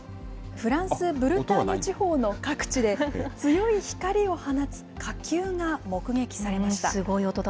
フランス・ブルターニュ地方の各地で、強い光を放つ火球が目撃されました。